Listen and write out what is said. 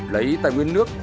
lấy tài nguyên nước